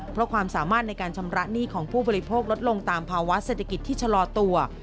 เพราะความสามารถในการชำระหนี้ของผู้บริโภคลดลงตามภาวะเศรษฐกิจที่ชะลอตัว